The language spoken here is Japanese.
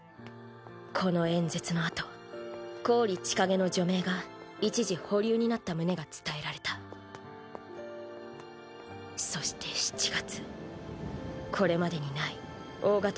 この演説のあと郡千景の除名が一時保留になった旨が伝えられたそして７月。